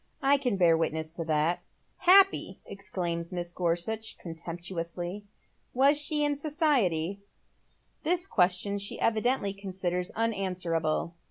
i can bear witness to that." " Happy !" exclaims Mrs. Gorsuch, contemptuously. " Was she in society ?" This question she evidently considers unanswerable.